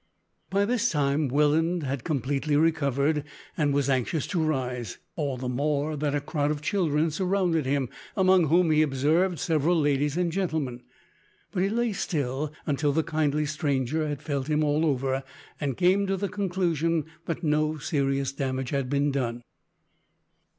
By this time Welland had completely recovered, and was anxious to rise; all the more that a crowd of children surrounded him, among whom he observed several ladies and gentlemen, but he lay still until the kindly stranger had felt him all over and come to the conclusion that no serious damage had been done.